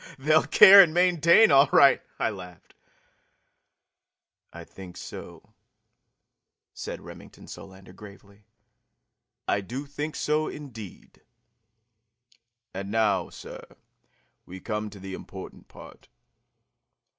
"They'll care and maintain, all right!" I laughed. "I think so," said Remington Solander gravely. "I do think so, indeed! And now, sir, we come to the important part.